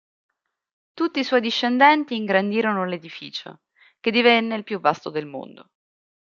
Tutti i suoi discendenti ingrandirono l'edificio, che divenne il più vasto del mondo.